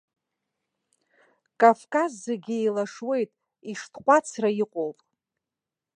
Кавказ зегьы еилашуеит, иштҟәацра иҟоуп.